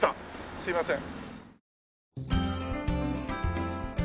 すいません。